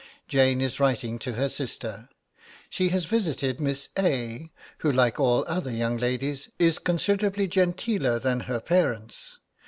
Jane is writing to her sister. She has visited Miss A., who, like all other young ladies, is considerably genteeler than her parents.